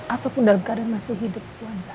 ataupun dalam keadaan masih hidup